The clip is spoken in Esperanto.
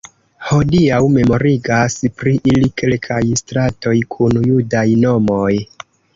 Hodiaŭ memorigas pri ili kelkaj stratoj kun judaj nomoj.